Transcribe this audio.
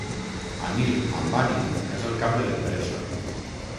Anil Ambani és el cap de l'empresa.